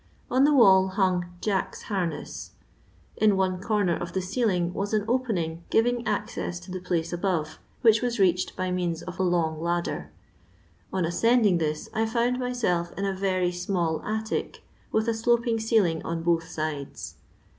On the wall hung "Jack's harness." In one comer of the ceiling was an opening giving access to the place above, which was reached by means of a long ladder. On ascending this I found myself in a very small attic, with a sloping ceiling on both sides.